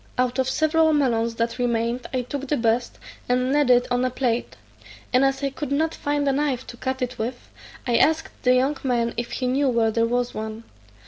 Out of several melons that remained I took the best, and laid it on a plate; and as I could not find a knife to cut it with, I asked the young man if he knew where there was one.